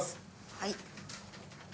はい。